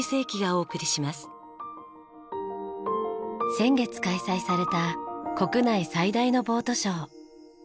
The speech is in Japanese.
先月開催された国内最大のボートショー。